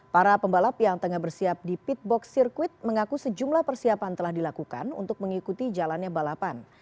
para pembalap yang tengah bersiap di pitbox circuit mengaku sejumlah persiapan telah dilakukan untuk mengikuti jalannya balapan